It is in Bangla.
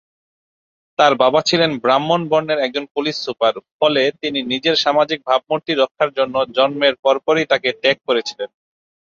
তাঁর বাবা ছিলেন ব্রাহ্মণ বর্ণের একজন পুলিশ সুপার, ফলে তিনি নিজের সামাজিক ভাবমূর্তি রক্ষার জন্য জন্মের পরপরই তাঁকে ত্যাগ করেছিলেন।